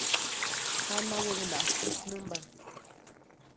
Janawäʼuŋnaʼajk ʼitnämba.